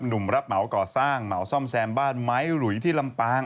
รับเหมาก่อสร้างเหมาซ่อมแซมบ้านไม้หลุยที่ลำปาง